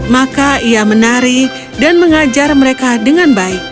maka ia menari dan mengajar mereka dengan baik